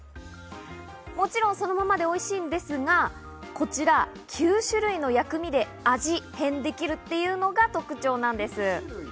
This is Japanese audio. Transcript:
もちろんそのままでおいしいんですが、こちら９種類の薬味でアジ変できるっていうのが特徴なんです。